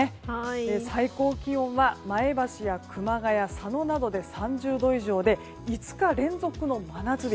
最高気温は前橋や熊谷佐野などで３０度以上で５日連続の真夏日。